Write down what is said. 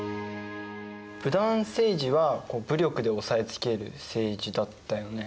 武断政治は武力で押さえつける政治だったよね。